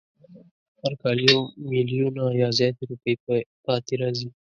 هر کال یو میلیونه یا زیاتې روپۍ پاتې راځي.